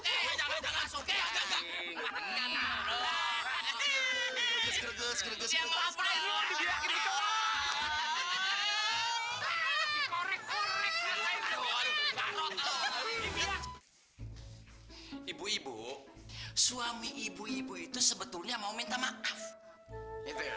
minta maksimalnya dikorek korek ibu ibu suami ibu ibu itu sebetulnya mau minta maksimalnya dikorek korek